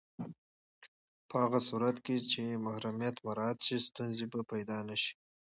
په هغه صورت کې چې محرمیت مراعت شي، ستونزې به پیدا نه شي.